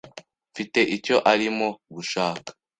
Mfite icyo arimo gushaka.